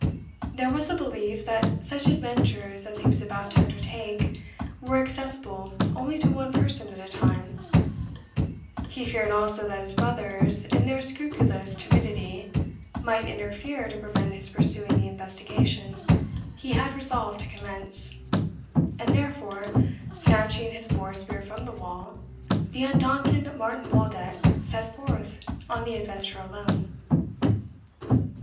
There was a belief that such adventures as he was about to undertake were accessible only to one person at a time; he feared also that his brothers, in their scrupulous timidity, might interfere to prevent his pursuing the investigation he had resolved to commence; and, therefore, snatching his boar spear from the wall, the undaunted Martin Waldeck set forth on the adventure alone.